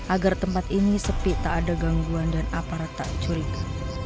agar tempat ini sepi tak ada gangguan dan aparat tak curiga